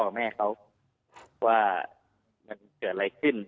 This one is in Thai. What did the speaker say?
แม่เขาว่ามันเกิดอะไรขึ้น